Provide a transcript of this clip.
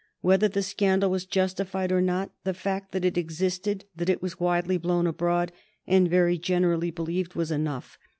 Whether the scandal was justified or not, the fact that it existed, that it was widely blown abroad and very generally believed, was enough.